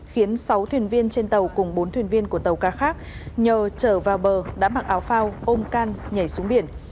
khiến sáu thuyền viên trên tàu cùng bốn thuyền viên của tàu cá khác nhờ trở vào bờ đã mặc áo phao ôm can nhảy xuống biển